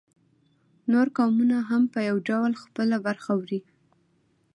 نور قومونه هم په یو ډول خپله برخه وړي